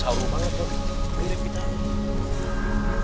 saru banget tuh